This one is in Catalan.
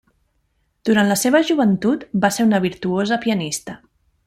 Durant la seva joventut va ser una virtuosa pianista.